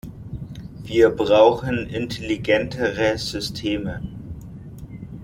Wir brauchen intelligentere Systeme.